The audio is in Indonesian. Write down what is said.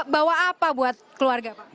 bawa apa buat keluarga pak